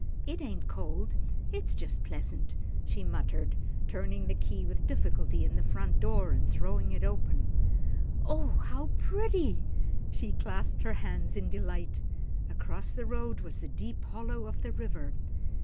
"It ain't cold it's just pleasant," she muttered, turning the key with difficulty in the front door, and throwing it open. "Oh, my, how pretty!" and she clasped her hands in delight. Across the road was the deep hollow of the river.